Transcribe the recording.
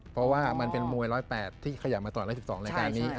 เพราะว่ามันเป็นมวย๑๐๘ที่ขยับมาตลอด๑๑๒รายการนี้